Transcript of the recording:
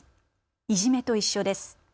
いじめと一緒です。